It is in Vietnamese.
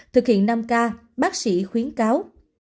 thực hiện năm ca bác sĩ khuyến cáo